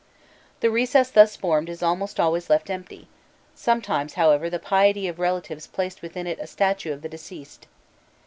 The recess thus formed is almost always left empty; sometimes, however, the piety of relatives placed within it a statue of the deceased.